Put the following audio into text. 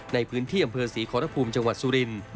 ในพื้นที่อำเภอศรีขอรภูมิจังหวัดสุรินทร์